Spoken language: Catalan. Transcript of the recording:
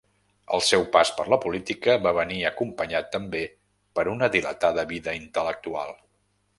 El seu pas per la política va venir acompanyat també per una dilatada vida intel·lectual.